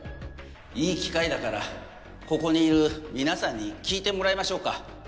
いい機会だからここにいる皆さんに聞いてもらいましょうか。